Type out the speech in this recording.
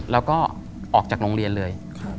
แล้วก็ออกจากโรงเรียนเลย